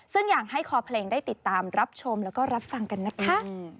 ซึ่งอยากให้คอเพลงได้ติดตามรับชมแล้วก็รับฟังกันนะคะ